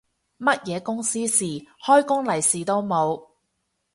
乜嘢公司事，開工利是都冇